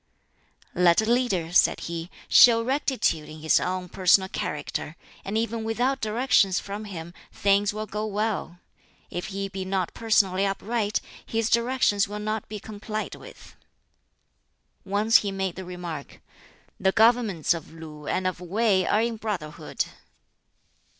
"Let a leader," said he, "show rectitude in his own personal character, and even without directions from him things will go well. If he be not personally upright, his directions will not be complied with." Once he made the remark, "The governments of Lu and of Wei are in brotherhood."